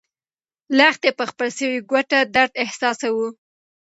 لښتې په خپله سوې ګوته درد احساساوه.